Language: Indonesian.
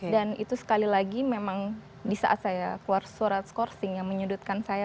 dan itu sekali lagi memang disaat saya keluar surat scoursing yang menyudutkan saya